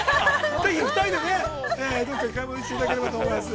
◆ぜひ２人でどこかに買い物に行っていただければと思います。